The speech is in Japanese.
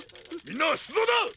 みんなしゅつどうだ！